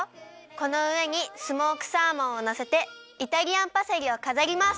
このうえにスモークサーモンをのせてイタリアンパセリをかざります。